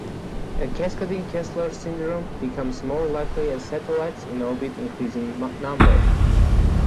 A cascading Kessler syndrome becomes more likely as satellites in orbit increase in number.